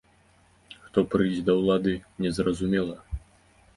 Хто прыйдзе да ўлады, не зразумела.